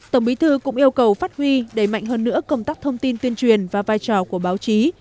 tổng bí thư cũng yêu cầu phát huy đẩy mạnh hơn nữa công tác thông tin tuyên truyền và vai trò của báo chí